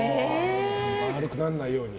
丸くならないように。